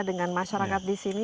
dengan masyarakat di sini